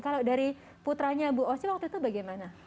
kalau dari putranya bu osy waktu itu bagaimana